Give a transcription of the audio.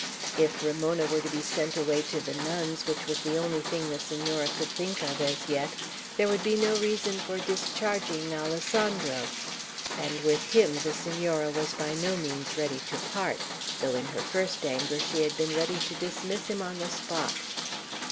If Ramona were to be sent away to the nuns, which was the only thing the Senora could think of as yet, there would be no reason for discharging Alessandro. And with him the Senora was by no means ready to part, though in her first anger she had been ready to dismiss him on the spot.